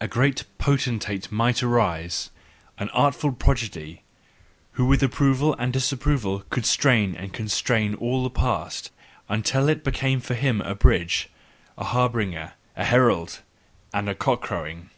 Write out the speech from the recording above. A great potentate might arise, an artful prodigy, who with approval and disapproval could strain and constrain all the past, until it became for him a bridge, a harbinger, a herald, and a cock crowing.